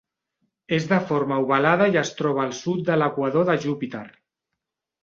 És de forma ovalada i es troba al sud de l'equador de Júpiter.